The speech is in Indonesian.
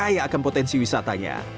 tapi tidak akan potensi wisatanya